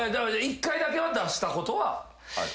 １回だけは出したことはある？